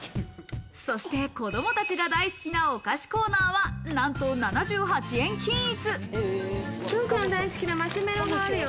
そして子供たちが大好きなお菓子コーナーはなんと７８円均一。